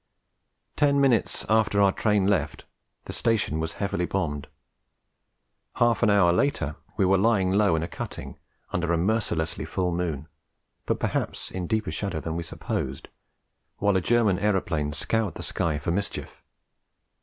Ten minutes after our train left, the station was heavily bombed; half an hour later we were lying low in a cutting, under a mercilessly full moon, but perhaps in deeper shadow than we supposed, while a German aeroplane scoured the sky for mischief.